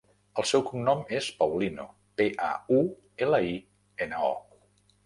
El seu cognom és Paulino: pe, a, u, ela, i, ena, o.